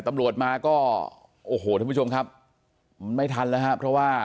ตำรวจมาก็โอ้โหท่านผู้ชมครับมันไม่ทันแล้วครับเพราะว่า